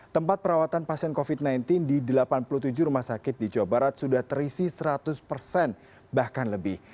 tempat perawatan pasien covid sembilan belas di delapan puluh tujuh rumah sakit di jawa barat sudah terisi seratus persen bahkan lebih